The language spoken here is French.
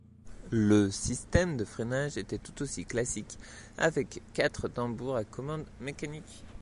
Le système de freinage était tout aussi classique avec quatre tambours à commande mécanique.